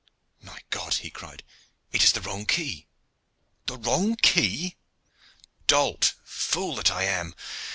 "My God!" he cried, "it is the wrong key." "The wrong key!" "Dolt, fool that I am!